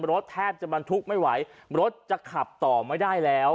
แทบจะบรรทุกไม่ไหวรถจะขับต่อไม่ได้แล้ว